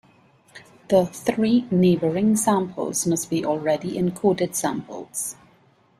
The three neighboring samples must be already encoded samples.